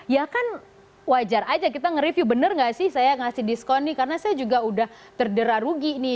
ya kan wajar aja kita nge review bener gak sih saya ngasih diskon nih karena saya juga udah terdera rugi nih